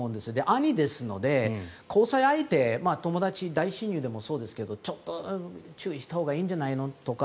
兄ですので、交際相手友達、大親友でもそうですけどちょっと注意したほうがいいんじゃないのとか